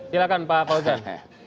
silakan pak fauzan